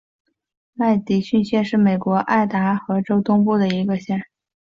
麦迪逊县是美国爱达荷州东部的一个县。